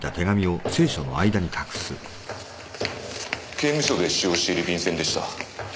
刑務所で使用している便箋でした。